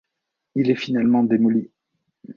Il est finalement démoli.